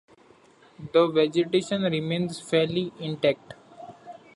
The vegetation remains fairly intact.